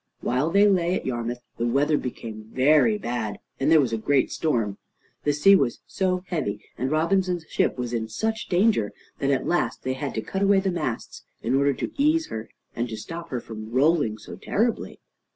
While they lay at Yarmouth the weather became very bad, and there was a great storm. The sea was so heavy and Robinson's ship was in such danger, that at last they had to cut away the masts in order to ease her and to stop her from rolling so terribly.